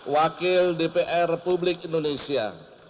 wakil dpr republik indonesia